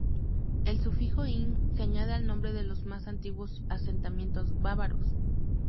El sufijo "-ing" se añade al nombre de los más antiguos asentamientos bávaros.